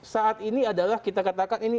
saat ini adalah kita katakan ini